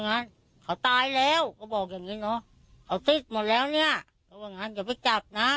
งั้นเขาตายแล้วก็บอกอย่างนี้เนาะเอาสิ้นหมดแล้วเนี่ยว่างั้นจะไปจับนะ